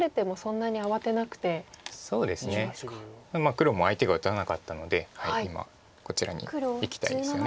黒も相手が打たなかったので今こちらにいきたいですよね。